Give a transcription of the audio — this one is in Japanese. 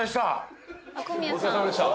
お疲れさまでした。